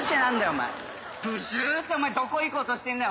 お前プシュってお前どこ行こうとしてんだよ！